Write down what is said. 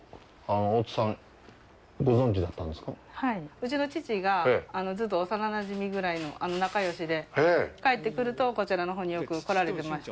うちの父がずっと幼なじみぐらいの仲よしで、帰ってくると、こちらのほうによく来られてました。